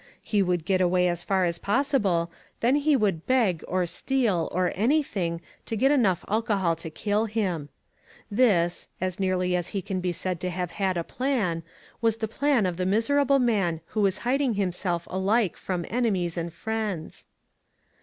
He would get away as far as possible, then he would beg, or steal, or anything, to get enough alcohol to kill him. This — as nearly as he can be said to have had a plan — was the plan of the miserable man who was hiding himself alike from enemies and friends.